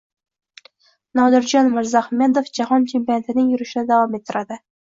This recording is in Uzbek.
Nodirjon Mirzahmedov Jahon chempionatidagi yurishini davom ettiradi